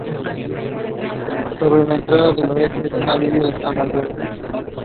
Sobre la entrada del oeste es un alivio de San Adalberto.